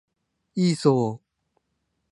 イーソー